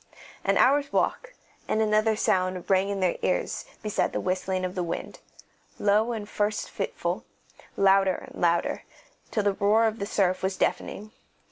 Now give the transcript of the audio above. An hour's walk, and another sound rang in their ears beside the whistling of the wind, low at first and fitful, louder and louder, till the roar of the surf was deafening.